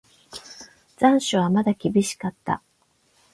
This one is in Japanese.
残暑はまだ厳しかった。